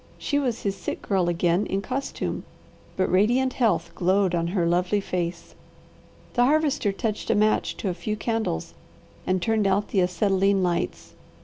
She was his sick girl again in costume, but radiant health glowed on her lovely face. The Harvester touched a match to a few candles and turned out the acetylene lights.